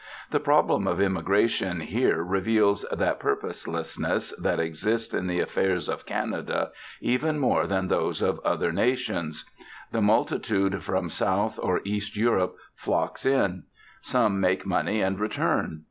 The problem of immigration here reveals that purposelessness that exists in the affairs of Canada even more than those of other nations. The multitude from South or East Europe flocks in. Some make money and return.